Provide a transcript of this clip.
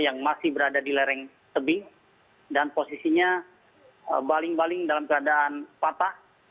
yang masih berada di lereng tebing dan posisinya baling baling dalam keadaan patah